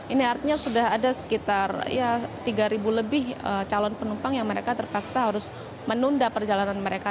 ini artinya sudah ada sekitar tiga lebih calon penumpang yang mereka terpaksa harus menunda perjalanan mereka